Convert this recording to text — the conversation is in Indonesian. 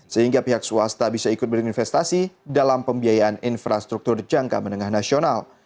sehingga pihak swasta bisa ikut berinvestasi dalam pembiayaan infrastruktur jangka menengah nasional